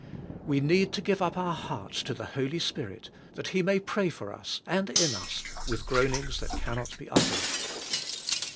We need to give up our hearts to the Holy Spirit, that He may pray for us and in us with groanings that can not be uttered.